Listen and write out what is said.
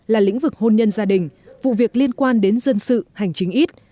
là lĩnh vực hôn nhân gia đình vụ việc liên quan đến dân sự hành chính ít